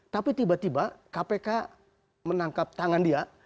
tapi tiba tiba kpk menangkap tangan dia